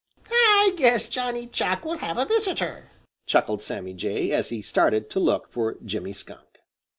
"I guess Johnny Chuck will have a visitor," chuckled Sammy Jay, as he started to look for Jimmy Skunk.